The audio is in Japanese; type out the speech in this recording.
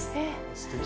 すてき。